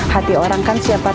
hati orang kan siapa siapanya